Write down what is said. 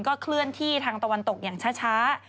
เคลื่อนที่ทางตะวันตกอย่างช้า